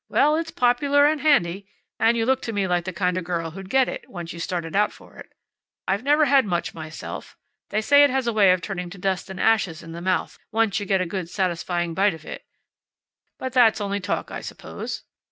"Well, it's popular and handy. And you look to me like the kind of girl who'd get it, once you started out for it. I've never had much myself. They say it has a way of turning to dust and ashes in the mouth, once you get a good, satisfying bite of it. But that's only talk, I suppose."